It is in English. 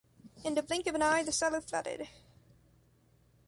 In the blink of an eye the cellar flooded.